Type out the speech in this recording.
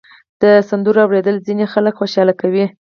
د سندرو اورېدل ځینې خلک خوشحاله کوي.